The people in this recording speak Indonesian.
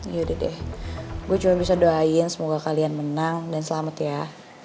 yaudah deh gue cuma bisa doain semoga kalian menang dan selamat ya